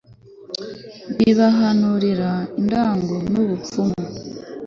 bibahanurira indagu n'ubupfumu